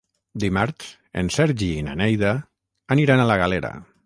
Dimarts en Sergi i na Neida aniran a la Galera.